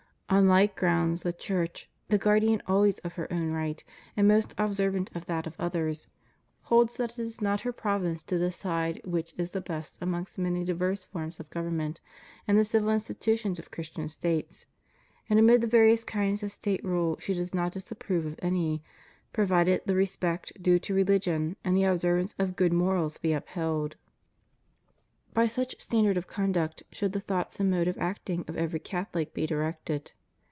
On like grounds the Church, the guardian always of her own right and most observant of that of others, holds that it is not her province to decide which is the best amongst many diverse forms of government and the civil institutions of Christian States, and amid the various kinds of State rule she does not disapprove of any, provided the respect due to rehgion and the observance of good morals be upheld. By such standard of conduct should the thoughts and mode of acting of every Catholic be directed.